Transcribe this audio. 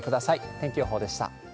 天気予報でした。